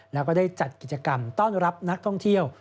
แล้วก็ได้จัดกิจกรรมต้อนรับนักท่องเที่ยว